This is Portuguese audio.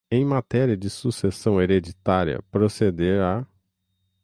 em matéria de sucessão hereditária, proceder à